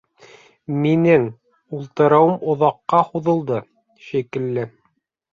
Минең, ултырыуым оҙаҡҡа һуҙылды, шикелле.